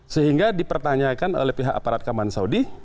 sehingga dipertanyakan oleh pihak aparat keamanan saudi